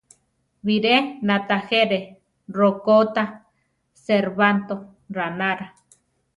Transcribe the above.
Biré natagere rokó ta, Serbanto ránara.